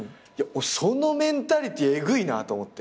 そのメンタリティーえぐいなと思って。